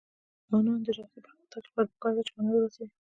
د ځوانانو د شخصي پرمختګ لپاره پکار ده چې هنر رسوي.